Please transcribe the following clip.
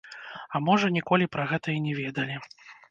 А можа, ніколі пра гэта і не ведалі.